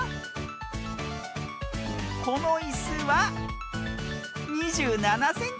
このいすは２７センチ。